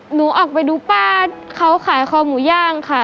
หนูออกไปดูป้าเขาขายคอหมูย่างค่ะ